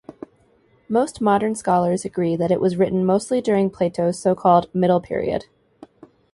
Most modern scholars agree that it was written mostly during Plato's so-called middle period.